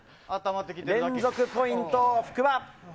連続ポイント、福場。